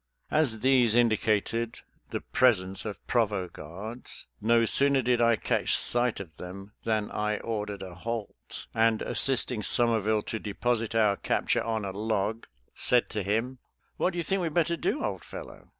As these indicated the presence of provost guards, no sooner did I catch sight of them than I ordered a halt, and, assisting Somerville to deposit our capture on a log, said to him, " What do you think we'd better do, old fellow.''